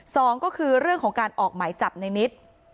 สองก็คือเรื่องของการออกหมายจับในนิด